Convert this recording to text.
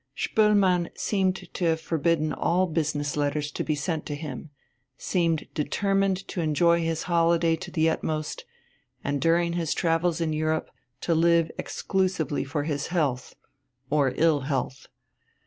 Spoelmann seemed to have forbidden all business letters to be sent him, seemed determined to enjoy his holiday to the utmost, and during his travels in Europe to live exclusively for his health or ill health.